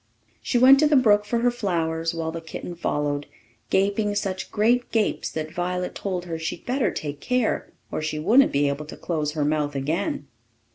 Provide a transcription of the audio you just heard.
She went to the brook for her flowers, while the kitten followed, gaping such great gapes that Violet told her she'd better take care, or she wouldn't be able to close her mouth again.